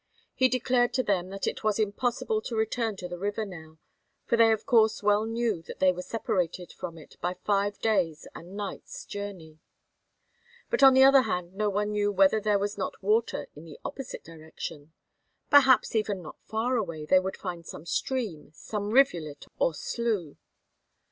He declared to them that it was impossible to return to the river now, for they of course well knew that they were separated from it by five days' and nights' journey. But on the other hand no one knew whether there was not water in the opposite direction. Perhaps even not far away they would find some stream, some rivulet or slough.